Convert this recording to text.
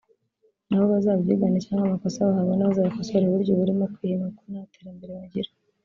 na bo bazabyigane cyangwa amakosa bahabona bazayakosore burya uba urimo kwihima kuko nta terambere bagira